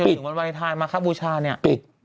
ปิด๗วันนะตอนนี้